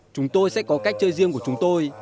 chúng tôi sẽ có cách chơi riêng của chúng tôi